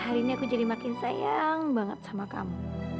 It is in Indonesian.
hari ini aku jadi makin sayang banget sama kamu